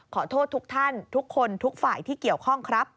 ขอโทษทุกท่านทุกคนทุกฝ่ายที่เกี่ยวข้องครับ